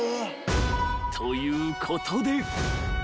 ［ということで］